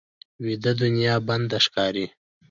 ویده دنیا بنده ښکاري